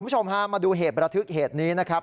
คุณผู้ชมฮะมาดูเหตุประทึกเหตุนี้นะครับ